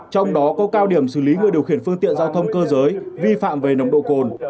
trong đó có cao điểm xử lý người điều khiển phương tiện giao thông cơ giới vi phạm về nồng độ cồn